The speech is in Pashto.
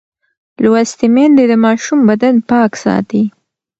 لوستې میندې د ماشوم بدن پاک ساتي.